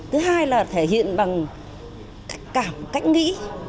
thứ hai là thể hiện bằng cách cảm cách nghĩ